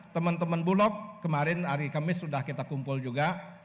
teman teman bulog kemarin hari kamis sudah kita kumpul juga